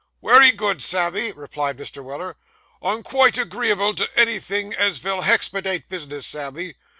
'Wery good, Sammy,' replied Mr. Weller, 'I'm quite agreeable to anythin' as vill hexpedite business, Sammy.